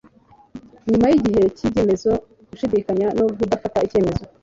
Nyuma yigihe cyibyemezo, gushidikanya, no kudafata icyemezo